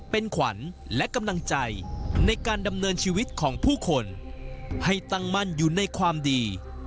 เป็นขวัญและกำลังใจในการดำเนินชีวิตของผู้คนให้ตั้งมั่นอยู่ในความดี